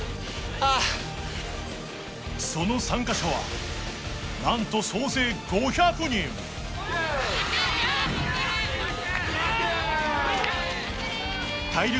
ああその参加者はなんと総勢５００人・いけるよ！